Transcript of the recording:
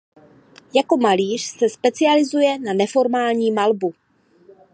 Jako malíř se specializuje na neformální malbu.